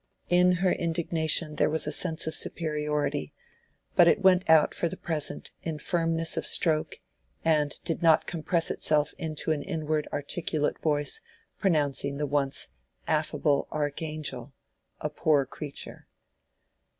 In her indignation there was a sense of superiority, but it went out for the present in firmness of stroke, and did not compress itself into an inward articulate voice pronouncing the once "affable archangel" a poor creature.